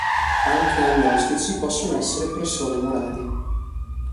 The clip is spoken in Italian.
Anche agnostici possono essere persone morali.